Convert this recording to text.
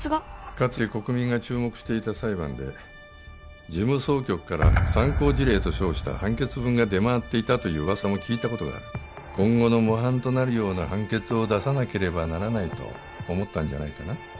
かつて国民が注目していた裁判で事務総局から参考事例と称した判決文が出回っていたという噂も聞いたことがある今後の模範となるような判決を出さなければならないと思ったんじゃないかな